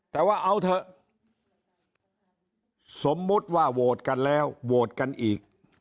แต่ว่าเอาเถอะสมมุติว่าโหวตกันแล้วโหวตกันอีก